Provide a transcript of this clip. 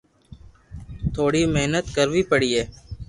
ٿوري مھنت ڪروي پڙئي